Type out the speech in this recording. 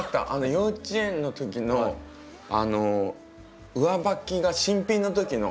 幼稚園のときの上履きが新品のときの。